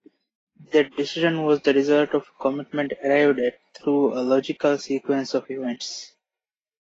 That decision was the result of a commitment arrived at through a logical sequence of events.